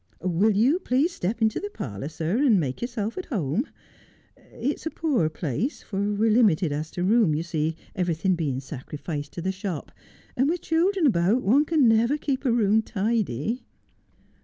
Will you please to step into the parlour, sir, and make yourself at home? It's a poor place, for we're limited as to room, you see, everything being sacrificed to the shop, and with children about one can never keep a room tidy.'